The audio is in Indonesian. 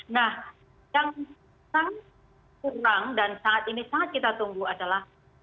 nah yang sangat kurang dan saat ini sangat kita tunggu adalah